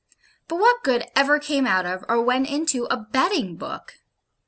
But what good ever came out of, or went into, a betting book?